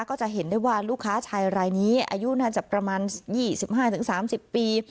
ก็จะเห็นได้ว่าลูกค้าชายรายนี้อายุน่าจะประมาณ๒๕๓๐ปี